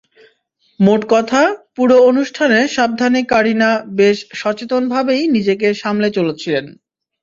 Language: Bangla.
মোট কথা, পুরো অনুষ্ঠানে সাবধানি কারিনা বেশ সচেতনভাবেই নিজেকে সামলে চলছিলেন।